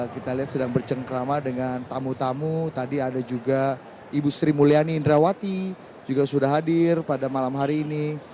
kita lihat sedang bercengkrama dengan tamu tamu tadi ada juga ibu sri mulyani indrawati juga sudah hadir pada malam hari ini